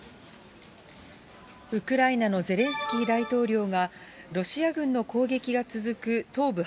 ウクライナのゼレンスキー大統領が、ロシア軍の攻撃が続く東部